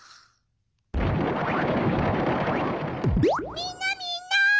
みんなみんな。